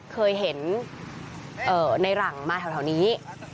เคยเห็นในหลังมาแถวนี้